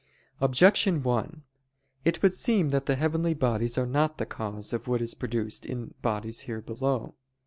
Objection 1: It would seem that the heavenly bodies are not the cause of what is produced in bodies here below.